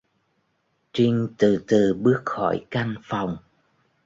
Trình từ từ bước khỏi căn phòng